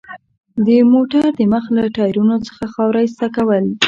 د موټر د مخ له ټایرونو څخه خاوره ایسته کول.